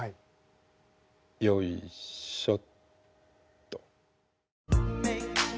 よいしょっと。